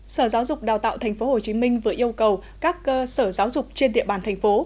sở giáo dục đào tạo tp hcm vừa yêu cầu các cơ sở giáo dục trên địa bàn thành phố